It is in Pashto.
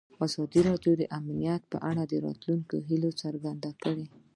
ازادي راډیو د امنیت په اړه د راتلونکي هیلې څرګندې کړې.